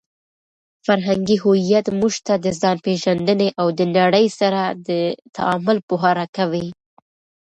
فرهنګي هویت موږ ته د ځانپېژندنې او د نړۍ سره د تعامل پوهه راکوي.